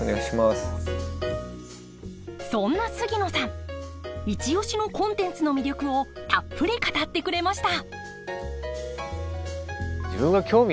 そんな杉野さんイチ推しのコンテンツの魅力をたっぷり語ってくれました。